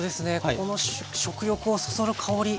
この食欲をそそる香り。